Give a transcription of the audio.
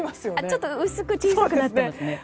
ちょっと薄く小さくなっていますね。